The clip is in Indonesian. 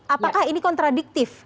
apakah ini kontradiktif